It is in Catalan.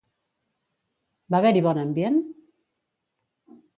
Va haver-hi bon ambient?